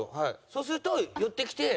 そうすると寄ってきて。